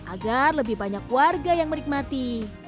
agar lebih banyak warga yang menikmati